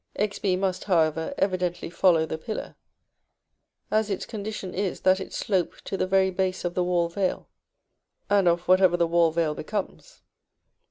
Xb must, however, evidently follow the pillar, as its condition is that it slope to the very base of the wall veil, and of whatever the wall veil becomes.